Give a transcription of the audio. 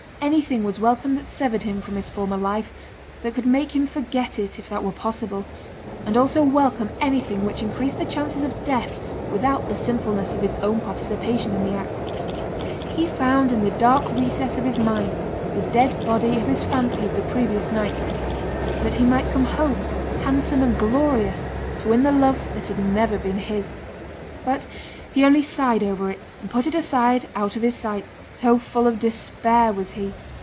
Anything was welcome that severed him from his former life, that could make him forget it, if that were possible; and also welcome anything which increased the chances of death without the sinfulness of his own participation in the act. He found in the dark recess of his mind the dead body of his fancy of the previous night; that he might come home, handsome and glorious, to win the love that had never been his. But he only sighed over it, and put it aside out of his sight so full of despair was he.